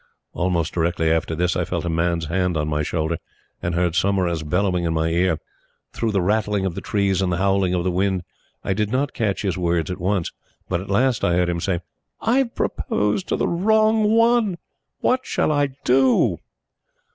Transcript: Almost directly after this, I felt a man's hand on my shoulder and heard Saumarez bellowing in my ear. Through the rattling of the trees and howling of the wind, I did not catch his words at once, but at last I heard him say: "I've proposed to the wrong one! What shall I do?"